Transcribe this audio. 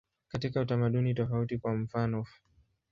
Katika utamaduni tofauti, kwa mfanof.